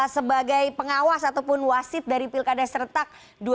sebagai pengawas ataupun wasit dari pilkada serentak dua ribu dua puluh